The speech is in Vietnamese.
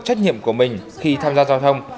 trách nhiệm của mình khi tham gia giao thông